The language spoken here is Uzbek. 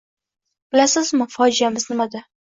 Bilasizmi fojiamiz nimada?